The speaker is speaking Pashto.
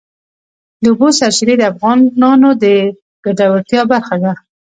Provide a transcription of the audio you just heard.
د اوبو سرچینې د افغانانو د ګټورتیا برخه ده.